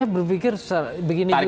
saya berpikir begini juga